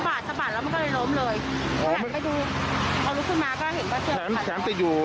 ไม่อยากไปดูเขารุกขึ้นมาก็เห็นว่าเสื้อขัดแล้ว